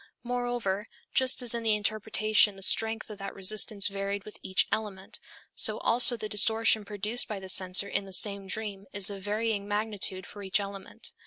Moreover, just as in the interpretation the strength of the resistance varied with each element, so also the distortion produced by the censor in the same dream is of varying magnitude for each element.